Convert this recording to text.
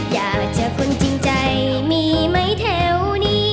อยากเจอคนจริงใจมีไหมแถวนี้